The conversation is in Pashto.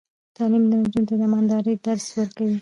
تعلیم نجونو ته د امانتدارۍ درس ورکوي.